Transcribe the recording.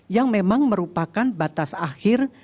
yang memang merupakan batas akhir